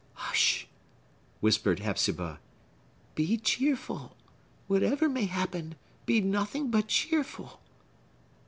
"Hush!" whispered Hepzibah. "Be cheerful! whatever may happen, be nothing but cheerful!"